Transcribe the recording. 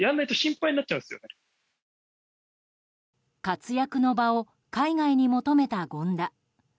活躍の場を海外に求めた権田。